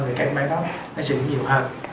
thì cái em bé đó nó sẽ uống nhiều hơn